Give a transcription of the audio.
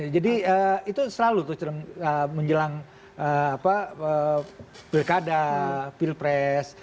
jadi itu selalu tuh menjelang pilkada pilpres